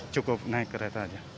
cukup naik kereta saja